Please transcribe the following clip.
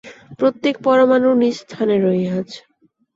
প্রত্যেকটি পরমাণু নিজ স্থানে রহিয়াছে।